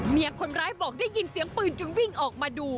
คนร้ายบอกได้ยินเสียงปืนจึงวิ่งออกมาดู